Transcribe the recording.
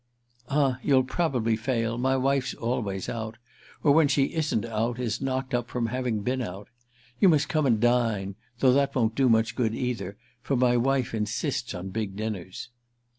"Ah you'll probably fail; my wife's always out—or when she isn't out is knocked up from having been out. You must come and dine—though that won't do much good either, for my wife insists on big dinners."